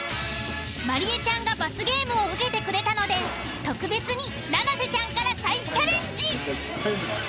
まりえちゃんが罰ゲームを受けてくれたので特別に七瀬ちゃんから再チャレンジ！